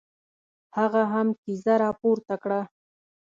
هغه هم کیزه را پورته کړه.